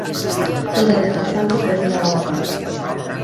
Era defensable per una banda…